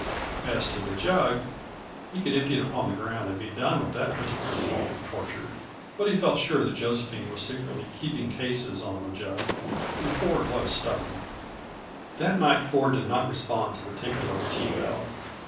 As to the jug, he could empty it upon the ground and be done with that particular form of torture. But he felt sure that Josephine was secretly "keeping cases" on the jug; and Ford was stubborn. That night Ford did not respond to the tinkle of the tea bell.